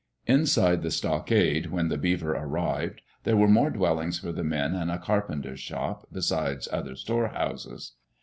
Inside the stockade, when the Beaver arrived, there were more dwellings for the men and a carpenter's shop, be sides other storehouses.